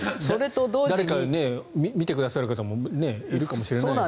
誰か見てくださる方もいるかもしれないですしね。